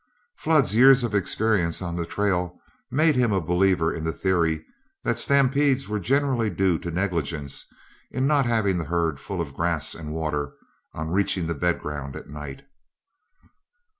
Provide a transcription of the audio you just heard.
Flood's years of experience on the trail made him a believer in the theory that stampedes were generally due to negligence in not having the herd full of grass and water on reaching the bed ground at night.